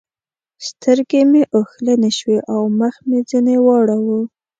سترګې مې اوښلنې شوې او مخ مې ځنې واړاوو.